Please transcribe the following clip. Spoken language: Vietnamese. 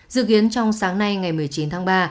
dự kiến trong sáng nay ngày một mươi chín tháng ba